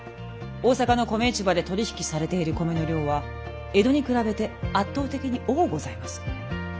大坂の米市場で取り引きされている米の量は江戸に比べて圧倒的に多うございます。